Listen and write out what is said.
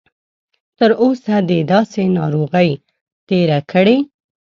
تر اوسه دې داسې ناروغي تېره کړې؟